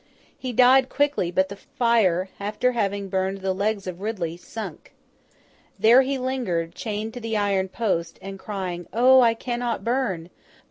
He died quickly, but the fire, after having burned the legs of Ridley, sunk. There he lingered, chained to the iron post, and crying, 'O! I cannot burn! O!